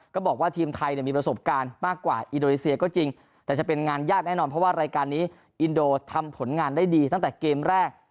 ก็บอกว่าทีมไทยมีประสบการณ์มากกว่าอินโดนีเซียก็จริงแต่จะเป็นงานยากแน่นอนเพราะว่ารายการนี้อินโดทำผลงานได้ดีตั้งแต่เกมแรก